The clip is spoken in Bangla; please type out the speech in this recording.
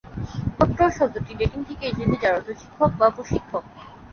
ডক্টর শব্দটি ল্যাটিন থেকে এসেছে, যার অর্থ "শিক্ষক" বা "প্রশিক্ষক"।